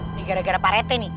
ini gara gara parete nih